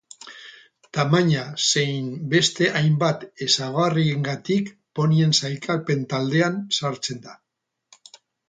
Tamaina zein beste hainbat ezaugarriengatik ponien sailkapen taldean sartzen da.